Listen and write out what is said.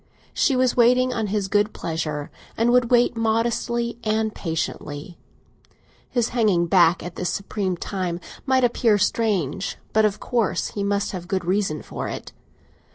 She was waiting on his good pleasure, and would wait modestly and patiently; his hanging back at this supreme time might appear strange, but of course he must have a good reason for it.